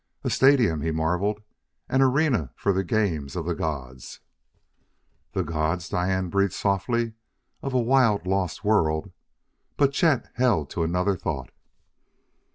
"A stadium!" he marvelled; "an arena for the games of the gods!" "The gods," Diane breathed softly, "of a wild, lost world " But Chet held to another thought.